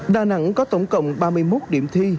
đà nẵng có tổng cộng ba mươi một điểm thi